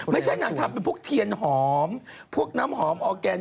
ไม่ใช่นางทำเป็นพวกเทียนหอมพวกน้ำหอมออร์แกน